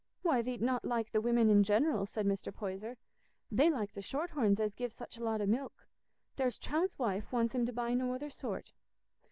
"Why, thee't not like the women in general," said Mr. Poyser; "they like the shorthorns, as give such a lot o' milk. There's Chowne's wife wants him to buy no other sort."